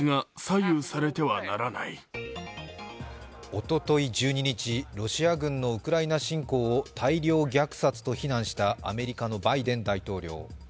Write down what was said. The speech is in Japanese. おととい１２日、ロシア軍のウクライナ侵攻を大量虐殺と非難したアメリカのバイデン大統領。